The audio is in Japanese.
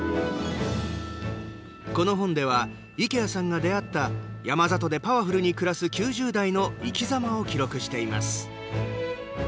この本では池谷さんが出会った山里でパワフルに暮らす９０代の生きざまを記録しています。